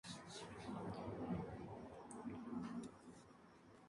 Una comisión presidida por Juan el gramático, se ocupó de estas cuestiones.